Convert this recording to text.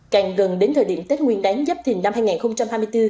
càng gần đến thời điểm tết nguyên đáng giáp thìn năm hai nghìn hai mươi bốn